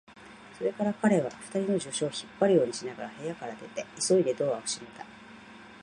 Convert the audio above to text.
それから彼は、二人の助手を引っ張るようにしながら部屋から出て、急いでドアを閉めた。